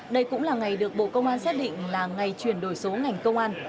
đây cũng là ngày được bộ công an xét định là ngày chuyển đổi số ngành công an